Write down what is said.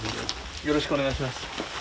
よろしくお願いします。